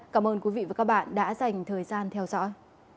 cảm ơn quý vị và các bạn đã dành thời gian theo dõi